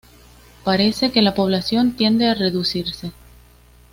Parece que la población tiende a reducirse.